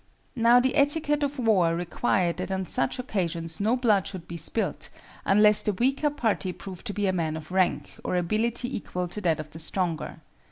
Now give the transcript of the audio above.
Now the etiquette of war required that on such occasions no blood should be spilt, unless the weaker party proved to be a man of rank or ability equal to that of the stronger.